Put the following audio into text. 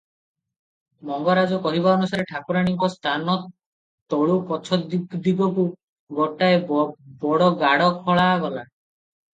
ମଙ୍ଗରାଜ କହିବା ଅନୁସାରେ ଠାକୁରାଣୀଙ୍କ ସ୍ଥାନ ତଳୁ ପଛ ଦିଗକୁ ଗୋଟାଏ ବଡ ଗାଡ଼ ଖୋଳାଗଲା ।